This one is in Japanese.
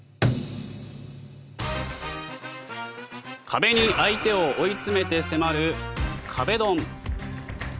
壁に相手を追い詰めて迫る壁ドン。